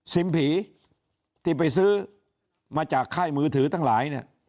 ผีที่ไปซื้อมาจากค่ายมือถือทั้งหลายเนี่ย